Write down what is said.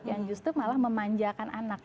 yang justru malah memanjakan anak